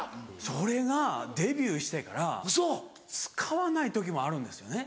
それがデビューしてから使わない時もあるんですよね。